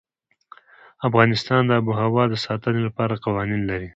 افغانستان د آب وهوا د ساتنې لپاره قوانین لري.